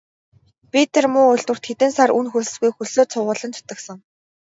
Би тэр муу үйлдвэрт хэдэн сар үнэ хөлсгүй хөлсөө цувуулан зүтгэсэн.